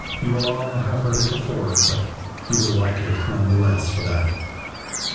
You will all have heard it before, but you will like it none the less for that."